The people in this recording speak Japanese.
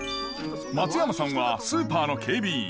松山さんはスーパーの警備員。